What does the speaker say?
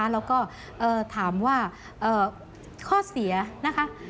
แล้วก็ถามว่าข้อเสียนะคะ